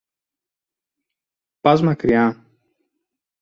Πας μακριά;